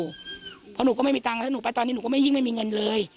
เพราะหนูก็ไม่มีตังค์แล้วหนูไปตอนนี้หนูก็ไม่ยิ่งไม่มีเงินเลย